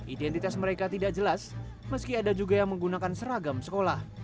identitas mereka tidak jelas meski ada juga yang menggunakan seragam sekolah